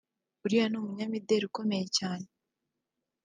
uriya ni umunyamideli ukomeye cyane